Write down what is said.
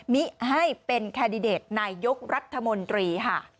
มิให้เป็นแคนดิเดตนายกรัฐมนตรีค่ะ